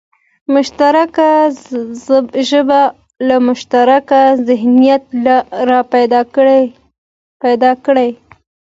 مشترکه ژبه له مشترک ذهنیت راپیدا کېږي